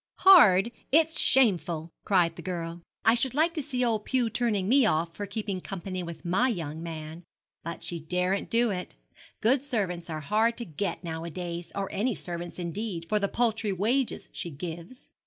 Hard? it's shameful,' cried the girl. 'I should like to see old Pew turning me off for keeping company with my young man. But she daren't do it. Good servants are hard to get nowadays; or any servants, indeed, for the paltry wages she gives.'